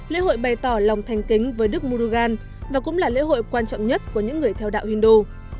lễ hội bày tỏ lòng thành kính với đức mugan và cũng là lễ hội quan trọng nhất của những người theo đạo hindu